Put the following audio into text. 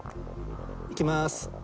いきます。